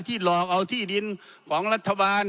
หลอกเอาที่ดินของรัฐบาล